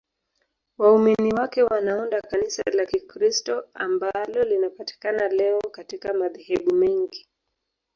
Waumini wake wanaunda Kanisa la Kikristo ambalo linapatikana leo katika madhehebu mengi.